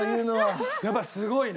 やっぱりすごいね。